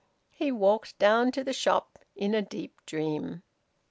He walked down to the shop in a deep dream.